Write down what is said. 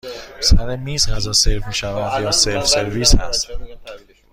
سر میز غذا سرو می شود یا سلف سرویس هست؟